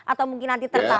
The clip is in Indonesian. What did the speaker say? atau mungkin nanti tertarik